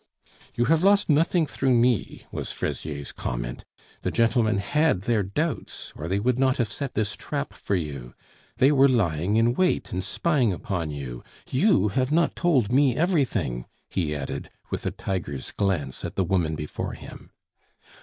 "You have lost nothing through me," was Fraisier's comment. "The gentlemen had their doubts, or they would not have set this trap for you. They were lying in wait and spying upon you.... You have not told me everything," he added, with a tiger's glance at the woman before him.